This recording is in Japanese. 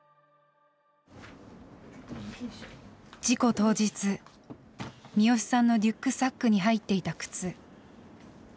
事故当日視良さんのリュックサックに入っていた靴。